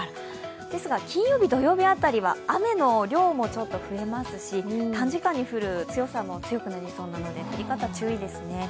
金曜日土曜日辺りは雨の量もちょっと増えますし短時間に降る強さも強くなりそうなので、降り方、注意ですね。